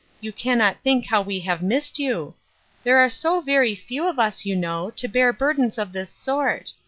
You cannot think how we have missed you ! There are so very few of us, you know, to bear burdens of this sort.